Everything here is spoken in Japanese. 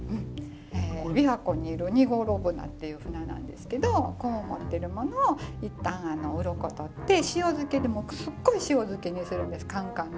琵琶湖にいるニゴロブナっていう鮒なんですけど子を持ってるものを一旦うろこ取って塩漬けですっごい塩漬けにするんですカンカンの。